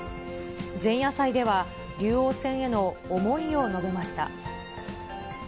前夜祭では、竜王戦への思いを述べました。